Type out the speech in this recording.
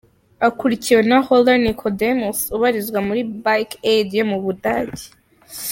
Akurikiwe na Holler Nikodemus ubarizwa muri Bike Aid yo mu Budage.